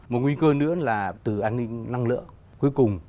một nguy cơ nữa là từ an ninh năng lượng